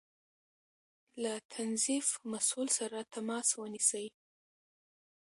له تنظيف مسؤل سره تماس ونيسئ